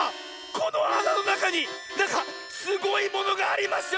このあなのなかになんかすごいものがありますよ！